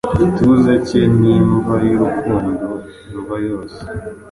Igituza cye ni imva yurukundo-imva-yose,